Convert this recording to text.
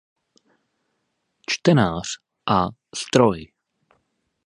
Čtenář a stroj.